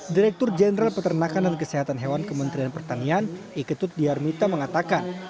direktur jenderal peternakan dan kesehatan hewan kementerian pertanian iketut diarmita mengatakan